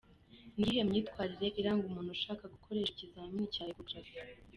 Ni iyihe myitwarire iranga umuntu ushaka gukoresha ikizamini cya Echographie?.